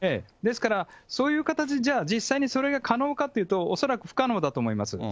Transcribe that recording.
ですからそういう形、じゃあ、実際にそれが可能かっていうと、恐らく不可能だと思います。